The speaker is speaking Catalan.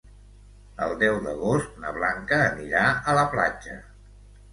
El deu d'agost na Blanca anirà a la platja.